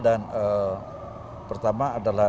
dan pertama adalah